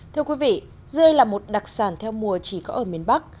thưa quý vị rươi là một đặc sản theo mùa chỉ có ở miền bắc